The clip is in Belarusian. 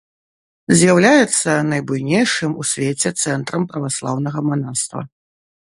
З'яўляецца найбуйнейшым у свеце цэнтрам праваслаўнага манаства.